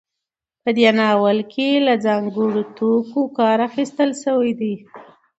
په دې ناول کې له ځانګړو توکو کار اخیستل شوی دی.